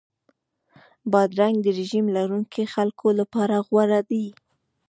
بادرنګ د رژیم لرونکو خلکو لپاره غوره دی.